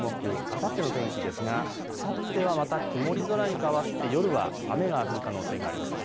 あさっての天気ですがあさってはまた曇り空に変わって夜は雨が降る可能性があります。